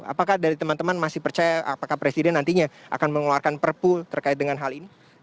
apakah dari teman teman masih percaya apakah presiden nantinya akan mengeluarkan perpu terkait dengan hal ini